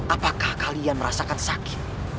apakah kalian merasakan sakit